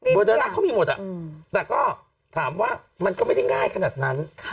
น่ารักเขามีหมดแต่ก็ถามว่ามันก็ไม่ได้ง่ายขนาดนั้น